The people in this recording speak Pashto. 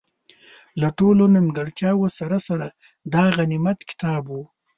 له ټولو نیمګړتیاوو سره سره، دا غنیمت کتاب وو.